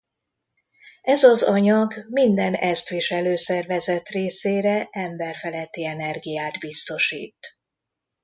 Ez az anyag minden ezt viselő szervezet részére emberfeletti energiát biztosít.